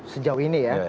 sejauh ini ya